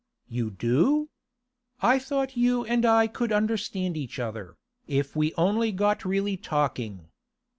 'You do? I thought you and I could understand each other, if we only got really talking.